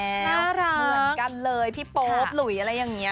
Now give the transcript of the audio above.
น่ารักเหมือนกันเลยพี่โป๊ปหลุยอะไรอย่างนี้